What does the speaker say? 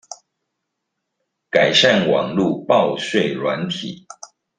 改善網路報稅軟體